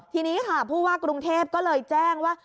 ทีนี้ค่ะผู้ว่ากรุงเทพก็เลยแจ้งว่า